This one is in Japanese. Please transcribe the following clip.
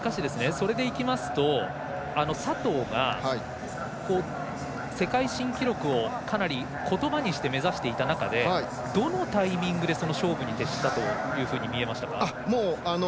それでいきますと佐藤が世界新記録をかなりことばにして目指していた中でどのタイミングで勝負に徹したと見えましたか？